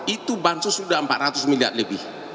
itu bansos sudah empat ratus miliar lebih